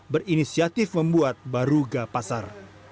berinisiatif membuat baruga pasar